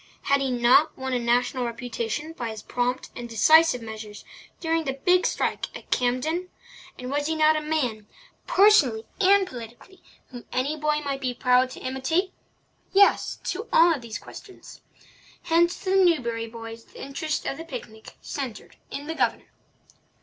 Had he not won a national reputation by his prompt and decisive measures during the big strike at Campden? And was he not a man, personally and politically, whom any boy might be proud to imitate? Yes, to all of these questions. Hence to the Newbury boys the interest of the picnic centred in the Governor.